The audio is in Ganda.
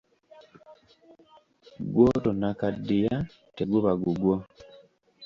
Gw'otonnakaddiya teguba gugwo.